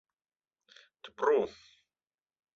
Тпру-у!..